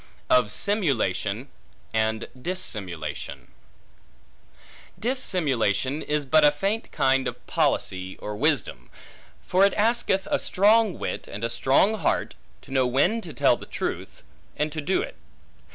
Of Simulation And Dissimulation DISSIMULATION is but a faint kind of policy, or wisdom; for it asketh a strong wit, and a strong heart, to know when to tell truth, and to do it.